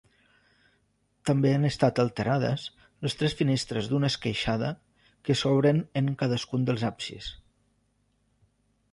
També han estat alterades les tres finestres d'una esqueixada que s'obren en cadascun dels absis.